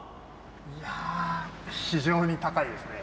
いや非常に高いですね。